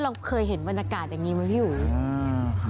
เราเคยเห็นบรรยากาศอย่างนี้ไหมพี่อุ๋ย